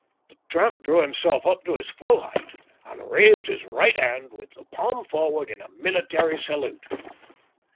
The tramp drew himself up to his full height and raised his right hand with the palm forward in a military salute.